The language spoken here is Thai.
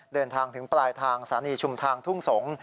เดินทางถึงปลายทางสถานีชุมทางทุ่งสงศ์